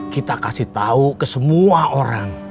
kita kasih tahu ke semua orang